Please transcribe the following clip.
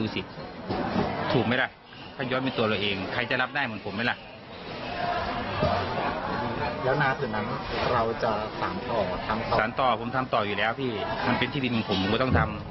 สารต่อผมทำต่ออยู่แล้วที่ทำเป็นที่ดินของผมก็ต้องทำ